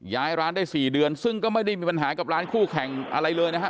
ย้ายร้านได้๔เดือนซึ่งก็ไม่ได้มีปัญหากับร้านคู่แข่งอะไรเลยนะฮะ